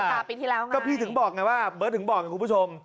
ตาปีที่แล้วไงก็พี่ถึงบอกไงว่าเบิร์ตถึงบอกไงคุณผู้ชม